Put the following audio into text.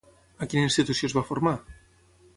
A quina institució es va formar?